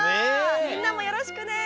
みんなもよろしくね！